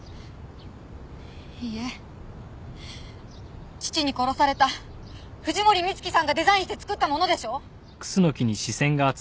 いいえ父に殺された藤森充希さんがデザインして作ったものでしょ？